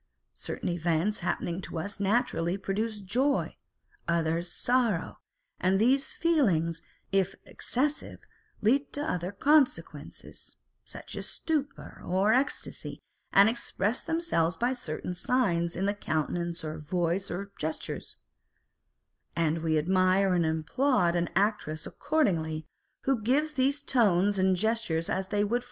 Certain events happening to us naturally produce joy, others sorrow, and these feelings, if excessive, lead to other consequences, such as stupor or ecstacy, and express themselves by certain signs in the countenance or voice or gestures ; and we admire and applaud an actress accord ingly, who gives these tones and gestures as they would Madame Pasta and Mademoiselle Mars.